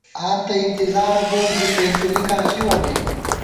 آں تہ انتظارہ بوم زی، پېنتُولِکاں ژِوَہ مے